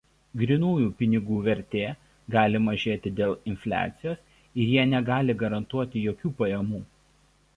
Grynųjų pinigų vertė gali mažėti dėl infliacijos ir jie negali garantuoti jokių pajamų.